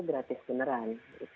ini gratis beneran